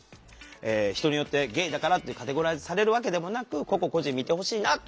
人によってゲイだからってカテゴライズされるわけでもなく個々個人見てほしいなと思ってこれ。